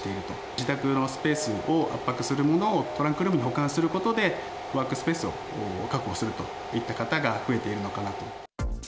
自宅のスペースを圧迫するものを、トランクルームに保管することで、ワークスペースを確保するといった方が増えているのかなと。